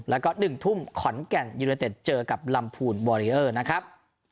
แล้วก็หนึ่งทุ่มขอนแก่งยุณเต็ดเจอกับลำภูลนะครับ